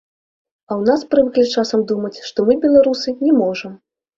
А ў нас прывыклі часам думаць, што мы, беларусы, не можам.